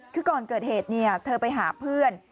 คือก่อนเกิดเหตุเธอไปหาเพื่อน